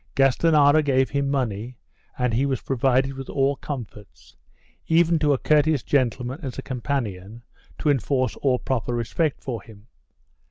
Gastanara gave him money and he was provided with all comforts, even to a courteous gentleman as a companion to enforce all proper respect for him.